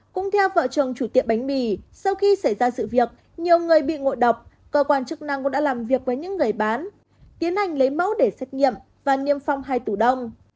cũng theo vợ chồng chủ tiệm bánh mì sau khi xảy ra sự việc nhiều người bị ngộ độc cơ quan chức năng cũng đã làm việc với những người bán tiến hành lấy mẫu để xét nghiệm và niêm phong hai tủ đông